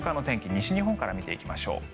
西日本から見ていきましょう。